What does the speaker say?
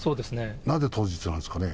なんで当日なんですかね。